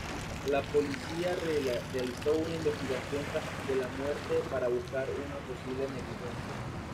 La policía realizó una investigación tras de la muerte para buscar una posible negligencia.